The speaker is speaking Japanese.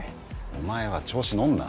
「お前は調子のんな」